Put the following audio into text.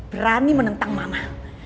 berani menentang mama